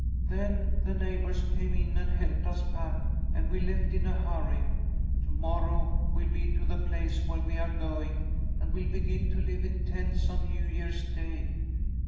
"Then the neighbours came in and helped us pack, and we left in a hurry. To morrow we'll be to the place where we are going, and we'll begin to live in tents on New Year's Day.